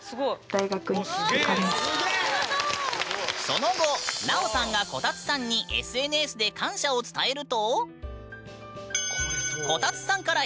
その後なおさんがこたつさんにＳＮＳで感謝を伝えるとえ！